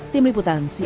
tim liputan cnn indonesia